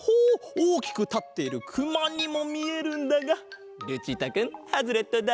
おおきくたっているくまにもみえるんだがルチータくんハズレットだ！